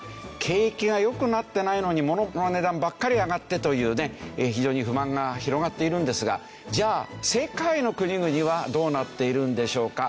景気が良くなってないのに物の値段ばっかり上がってというね非常に不満が広がっているんですがじゃあ世界の国々はどうなっているんでしょうか？